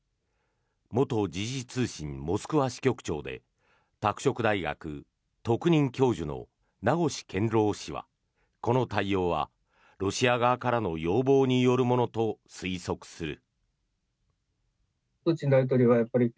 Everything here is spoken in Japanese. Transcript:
元時事通信モスクワ支局長で拓殖大学特任教授の名越健郎氏はこの対応はロシア側からの要望によるものと推測する。